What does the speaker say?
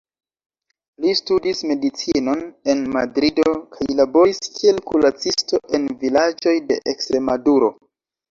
Li studis medicinon en Madrido kaj laboris kiel kuracisto en vilaĝoj de Ekstremaduro.